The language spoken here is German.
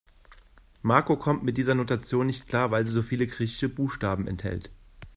Marco kommt mit dieser Notation nicht klar, weil sie so viele griechische Buchstaben enthält.